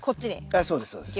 ええそうですそうです。